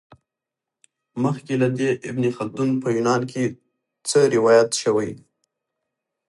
مخکي له دې، ابن خلدون په یونان کي څه روایت سوی؟